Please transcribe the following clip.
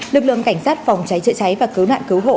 lực lượng cảnh sát phòng cháy chữa cháy và cứu nạn cứu hộ